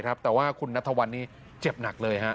แต่ว่าคุณนัทวัลนี่เจ็บหนักเลยฮะ